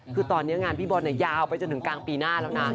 คือตอนนี้งานพี่บอลยาวไปจนถึงกลางปีหน้าแล้วนะ